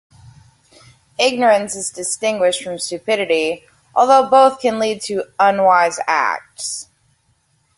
Ignorance is distinguished from stupidity, although both can lead to "unwise" acts.